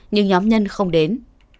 nhưng nhóm nhân không đến